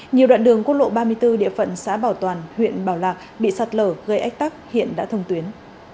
nhiều đoạn đường quốc lộ ba mươi bốn địa phận xã bảo toàn huyện bảo lạc bị sạt lở gây ách tắc hiện đã thông tuyến